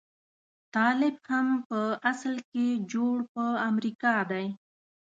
طالب هم په اصل کې جوړ په امريکا دی.